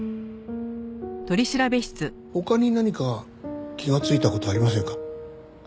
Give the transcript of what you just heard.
他に何か気がついた事ありませんか？